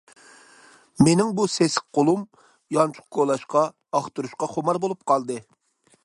مېنىڭ بۇ سېسىق قولۇم، يانچۇق كولاشقا، ئاختۇرۇشقا خۇمار بولۇپ قالدى.